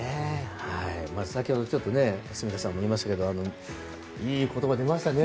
先ほど住田さんも言いましたがいい言葉出ましたね。